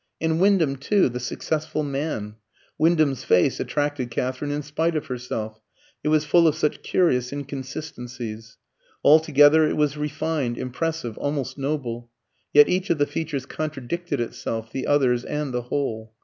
And Wyndham too, the successful man Wyndham's face attracted Katherine in spite of herself, it was full of such curious inconsistencies. Altogether it was refined, impressive, almost noble; yet each of the features contradicted itself, the others, and the whole.